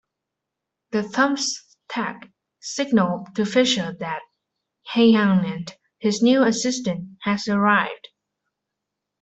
The thumbtack signaled to Fisher that Häyhänen, his new assistant, had arrived.